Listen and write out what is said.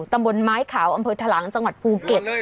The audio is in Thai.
ตำบลไม้ขาวอำเภอทะลังจังหวัดภูเก็ต